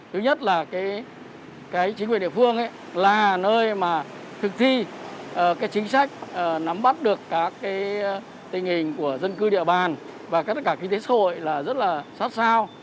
thứ nhất là chính quyền địa phương là nơi mà thực thi chính sách nắm bắt được các tình hình của dân cư địa bàn và tất cả kinh tế xã hội là rất là sát sao